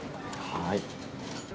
はい。